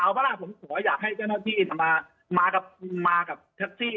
เอาเวลาผมสอยอยากให้เจ้าหน้าที่มากับทักซี่